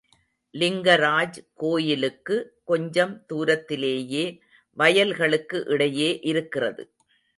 லிங்கராஜ் கோயிலுக்கு கொஞ்சம் தூரத்திலேயே வயல்களுக்கு இடையே இருக்கிறது.